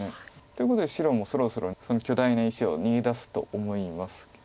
ということで白もそろそろその巨大な石を逃げ出すと思います。